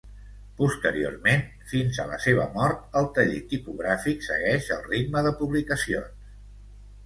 Posteriorment, fins a la seva mort, el taller tipogràfic segueix el ritme de publicacions.